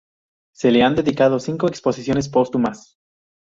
Se le han dedicado cinco exposiciones póstumas.